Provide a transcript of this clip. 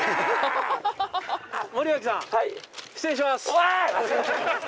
おい！